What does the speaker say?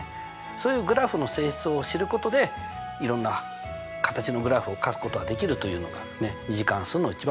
そういうグラフの性質を知ることでいろんな形のグラフをかくことができるというのが２次関数の一番の学習だと思います。